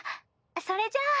それじゃあ。